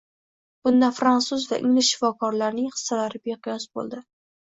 Bunda frantsuz va ingliz shifokorlarining hissalari beqiyos bo‘ldi